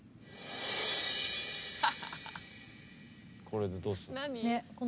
これでどうすんの？